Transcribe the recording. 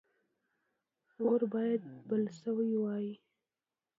اور باید بل شوی وای.